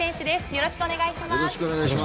よろしくお願いします。